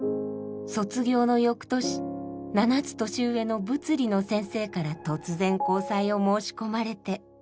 卒業のよくとし７つ年上の物理の先生から突然交際を申し込まれて。